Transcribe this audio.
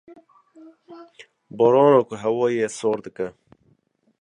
barana ku hewayê sar dike.